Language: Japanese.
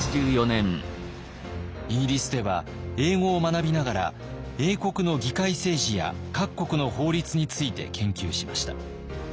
イギリスでは英語を学びながら英国の議会政治や各国の法律について研究しました。